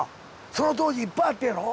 その当時いっぱいあったんやろ？